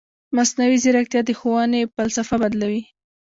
مصنوعي ځیرکتیا د ښوونې فلسفه بدلوي.